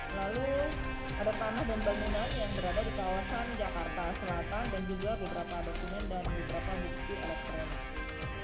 lalu ada tanah dan bangunan yang berada di kawasan jakarta selatan dan juga beberapa dokumen dan beberapa industri elektronik